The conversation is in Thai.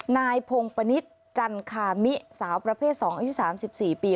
นายพงปณิชย์จันคามิสาวประเภท๒อายุ๓๔ปี